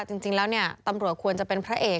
จริงแล้วเนี่ยตำรวจควรจะเป็นพระเอก